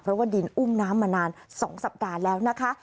เพราะว่าดินอุ้มน้ำมานาน๒สัปดาห์แล้วนะคะ